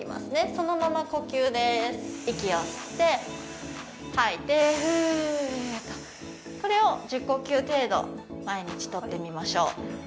そのまま呼吸です息を吸って吐いてフーッとこれを１０呼吸程度毎日とってみましょう